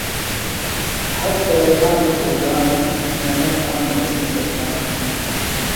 ہر سرہ تھانوۡ اودان، محۡنت تھانوۡ اسی ترکاݨ